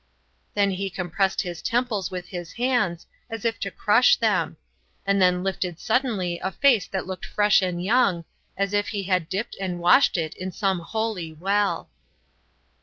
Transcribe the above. Then he compressed his temples with his hands, as if to crush them. And then lifted suddenly a face that looked fresh and young, as if he had dipped and washed it in some holy well.